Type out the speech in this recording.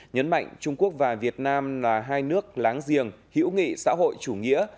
nhấn mạnh trung quốc và việt nam là hai nước láng giềng hữu nghị xã hội chủ nghĩa